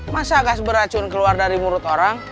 masa gas beracun keluar dari murut kita